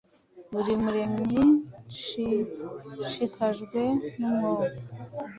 Buri Muremyi Nshishikajwe numwuka